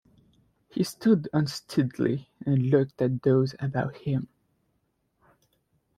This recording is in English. He stood unsteadily and looked at those about him.